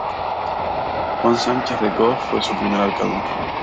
Juan Sánchez de Cos fue su primer alcalde.